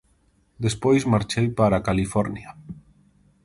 Despois marchei para California.